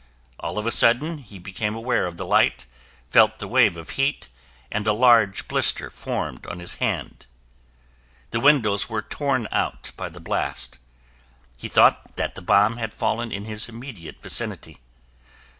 All of a sudden, he became aware of the light, felt the wave of heat and a large blister formed on his hand. The windows were torn out by the blast. He thought that the bomb had fallen in his immediate vicinity.